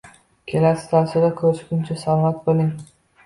Kelasi dasturda ko‘rishguncha salomat bo‘ling!